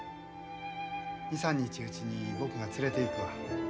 ２３日うちに僕が連れていくわ。